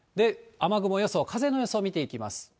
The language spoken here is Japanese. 雨雲予想、風の予想見ていきます。